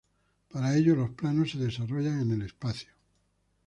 Para ello los planos se desarrollan en el espacio.